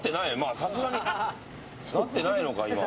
さすがに、なってないのか今は。